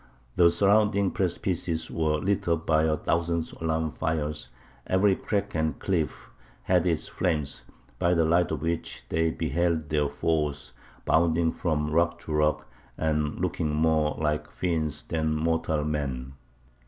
The surrounding precipices were lit up by a thousand alarm fires; every crag and cliff had its flames, by the light of which they beheld their foes bounding from rock to rock, and looking more like fiends than mortal men.